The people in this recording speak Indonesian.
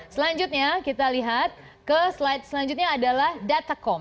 selanjutnya kita lihat ke slide selanjutnya adalah datacom